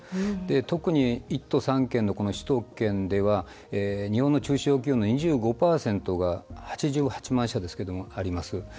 特に１都３県のこの首都圏では日本の中小企業の２５％が８８万社あります。